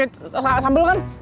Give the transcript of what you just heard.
ini gak pake sambel kan